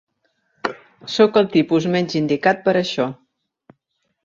Sóc el tipus menys indicat per a això.